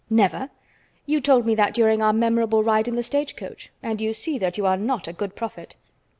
"Never? You told me that during our memorable ride in the stagecoach, and you see that you are not a good prophet."